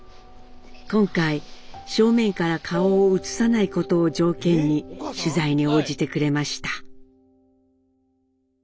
今回正面から顔を映さないことを条件に取材に応じてくれました。